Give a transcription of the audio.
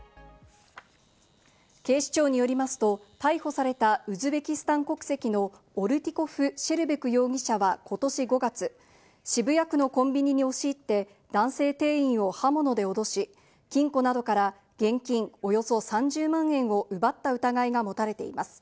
警視庁によりますと、逮捕されたウズベキスタン国籍のオルティコフ・シェルベク容疑者はことし５月、渋谷区のコンビニをに押し入って、男性店員を刃物で脅し、金庫などから現金およそ３０万円を奪った疑いが持たれています。